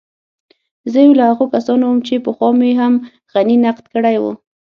زه يو له هغو کسانو وم چې پخوا مې هم غني نقد کړی و.